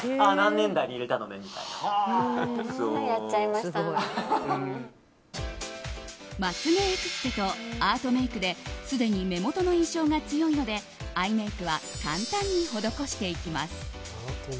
まつ毛エクステとアートメイクですでに目元の印象が強いのでアイメイクは簡単に施していきます。